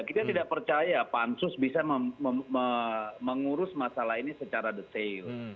kita tidak percaya pansus bisa mengurus masalah ini secara detail